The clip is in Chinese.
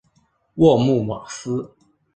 沃穆瓦斯。